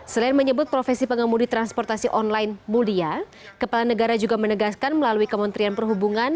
selain menyebut profesi pengemudi transportasi online mulia kepala negara juga menegaskan melalui kementerian perhubungan